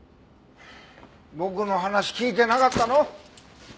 僕の話聞いてなかったの？